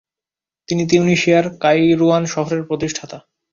তিনি তিউনিসিয়ার কাইরুয়ান শহরের প্রতিষ্ঠাতা।